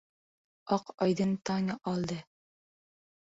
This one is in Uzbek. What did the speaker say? Oq oydin tong oldi.